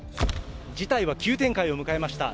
事態は急展開を迎えました。